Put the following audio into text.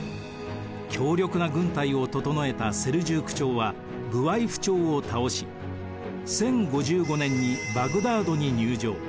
強力な軍隊を整えたセルジューク朝はブワイフ朝を倒し１０５５年にバグダードに入場。